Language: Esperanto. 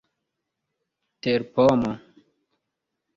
terpomo